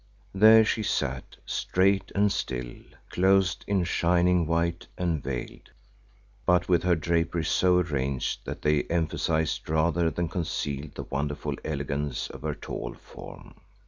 There she sat, straight and still, clothed in shining white and veiled, but with her draperies so arranged that they emphasised rather than concealed the wonderful elegance of her tall form.